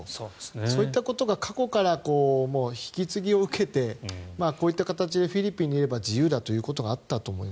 そういったことが過去から引き継ぎを受けてこういった形でフィリピンにいれば自由だということがあったと思うんです。